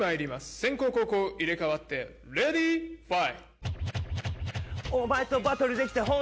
先攻、後攻入れ替わって、レディー・ファイ。